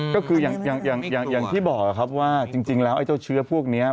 ก็คืออย่างที่บอกครับว่าจริงแล้วไอ้เจ้าเชื้อพวกนี้